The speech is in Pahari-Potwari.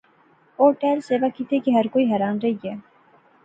او ٹہل سیوا کیتی کہ ہر کوئی حیران رہی گیا